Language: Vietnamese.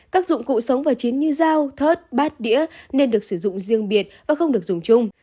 các dụng cụ sống và chín như dao thớt bát đĩa nên được sử dụng riêng biệt và không được dùng chung